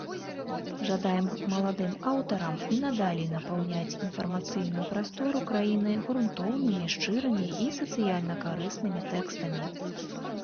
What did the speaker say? Жадаем маладым аўтарам і надалей напаўняць інфармацыйную прастору краіны грунтоўнымі, шчырымі і сацыяльна-карыснымі тэкстамі!